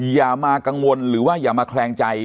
อย่ามากังวลหรือว่าอย่ามาแคลงใจ